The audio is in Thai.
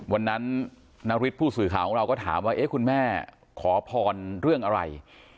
นานาริสผู้สื่อข่าวของเราก็ถามว่าเอ๊ะคุณแม่ขอพรเรื่องอะไร